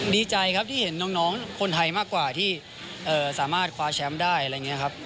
ดีใจครับที่เห็นน้องคนไทยมากกว่าที่สามารถคว้าแชมป์ได้อะไรอย่างนี้ครับ